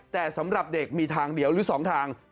แต่สำหรับเด็กมีทางเดียวหรือ๒ทาง